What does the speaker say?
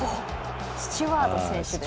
スチュワード選手ですね。